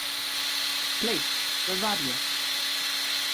Klik Bewarje.